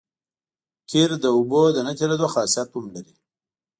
قیر د اوبو د نه تېرېدو خاصیت هم لري